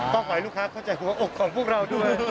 ก็ขอให้ลูกค้าเข้าใจหัวอกของพวกเราด้วย